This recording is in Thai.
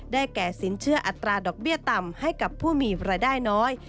แก่สินเชื่ออัตราดอกเบี้ยต่ำให้กับผู้มีรายได้น้อย